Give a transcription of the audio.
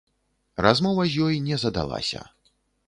Размова з ёй не задалася.